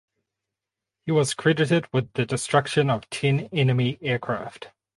He was credited with the destruction of ten enemy aircraft.